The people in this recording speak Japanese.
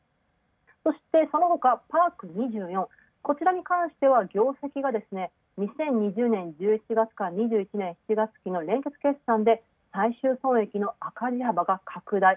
そして、そのほかパーク２４、業績が２０２０年１１月から２１年７月期の年月決算で最終損益の赤字幅が拡大。